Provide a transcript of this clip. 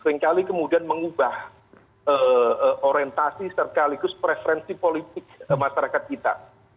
seringkali kemudian mengubah orientasi sekaligus preferensi politik masyarakat kita